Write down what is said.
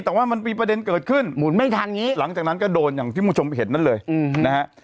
แต่ว่ามันมีประเด็นเกิดขึ้นหมุนไม่ทันอย่างนี้หลังจากนั้นก็โดนอย่างที่คุณผู้ชมเห็นนั่นเลยนะฮะ